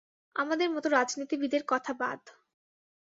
আমাদের মতো রাজনীতিবিদের কথা বাদ।